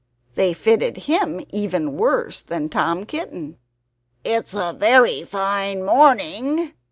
They fitted him even worse than Tom Kitten. "It's a very fine morning!"